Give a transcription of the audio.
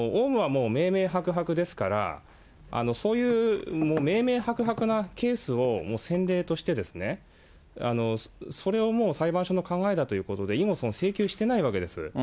もう明々白々ですから、そういう明々白々なケースを先例として、それをもう裁判所の考えだということで、以後、請求していないわけです。